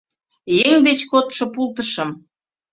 Еҥ деч кодшо пултышым